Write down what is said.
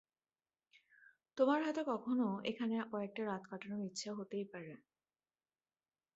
তোমার হয়ত কখনও এখানে কয়েকটা রাত কাটানোর ইচ্ছা হতেই পারে।